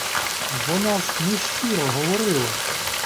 Вона ж нещиро говорила!